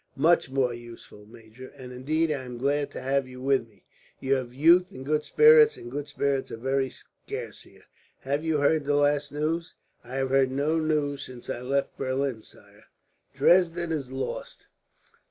"Much more useful, major; and indeed, I am glad to have you with me. You have youth and good spirits, and good spirits are very scarce here. Have you heard the last news?" "I have heard no news since I left Berlin, sire." "Dresden is lost.